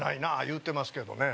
言うてますけどね